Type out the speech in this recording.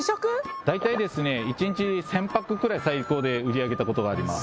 大体ですね一日１０００パックくらい最高で売り上げたことがあります